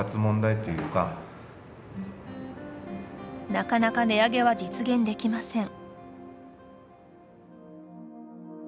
なかなか値上げは実現できません。